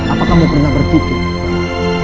apa kamu pernah berpikir